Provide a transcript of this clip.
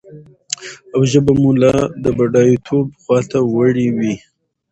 او ژبه به مو لا د بډايتوب خواته وړي وي.